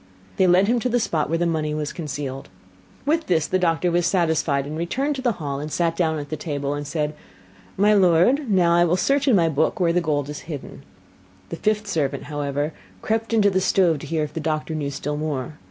They led him to the spot where the money was concealed. With this the doctor was satisfied, and returned to the hall, sat down to the table, and said: 'My lord, now will I search in my book where the gold is hidden.' The fifth servant, however, crept into the stove to hear if the doctor knew still more.